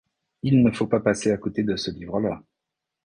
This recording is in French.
Il ne faut pas passer à côté de ce livre-là.